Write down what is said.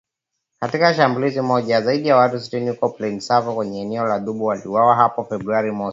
Katika shambulizi moja, zaidi ya watu sitini huko Plaine Savo kwenye eneo la Djubu waliuawa hapo Februari mosi.